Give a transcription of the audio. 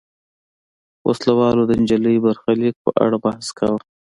وسله والو د نجلۍ برخلیک په اړه بحث کاوه.